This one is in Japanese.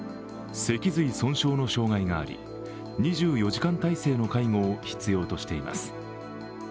脊髄損傷の障害があり、２４時間体制の介護を必要としています。